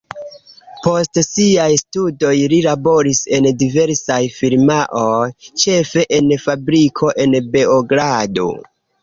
Post siaj studoj li laboris en diversaj firmaoj, ĉefe en fabriko en Beogrado.